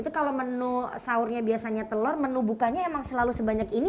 itu kalau menu sahurnya biasanya telur menu bukanya emang selalu sebanyak ini